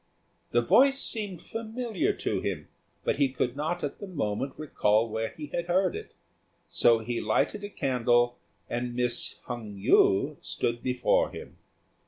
The voice seemed familiar to him, but he could not at the moment recall where he had heard it; so he lighted a candle, and Miss Hung yü stood before him.